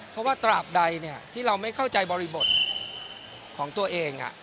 เพราะว่าตราบใดที่เราไม่เข้าใจบริบทของตัวเอง